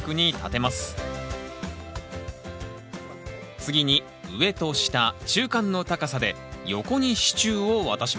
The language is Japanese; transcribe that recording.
次に上と下中間の高さで横に支柱を渡します